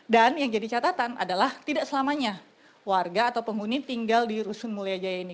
dan yang jadi catatan adalah tidak selamanya warga atau penghuni tinggal di rusun mulia jaya ini